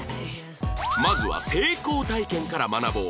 まずは成功体験から学ぼう